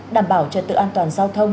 đảm bảo trợ tự an toàn giao thông